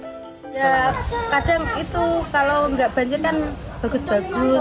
ya kadang itu kalau nggak banjir kan bagus bagus